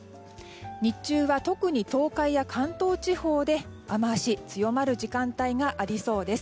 日中は特に東海や関東地方で雨脚が強まる時間帯がありそうです。